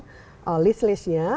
kita perlihatkan list listnya